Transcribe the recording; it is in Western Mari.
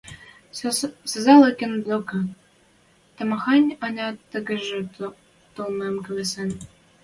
Салазкин докы тамахань-ӓнят тӓнгжӹ толмым келесен.